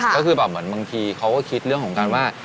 ก็คือแบบเหมือนบางทีเขาก็คิดเรื่องของการว่า